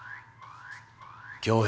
恭平。